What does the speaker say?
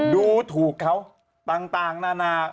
ดูถูกเขาต่างนานา